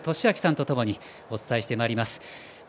廣瀬俊朗さんとともにお伝えしてまいります。